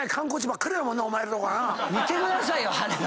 見てくださいよ！